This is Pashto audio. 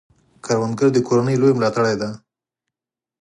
کروندګر د کورنۍ لوی ملاتړی دی